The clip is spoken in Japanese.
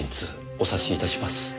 お察しいたします。